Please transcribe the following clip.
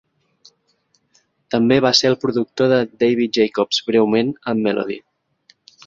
També va ser el productor de David Jacobs breument amb Melody.